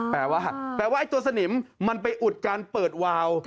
แปลว่าตัวสนิมมันไปอุดการเปิดวาว